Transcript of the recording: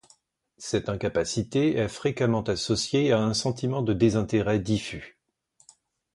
Cette incapacité est fréquemment associée à un sentiment de désintérêt diffus.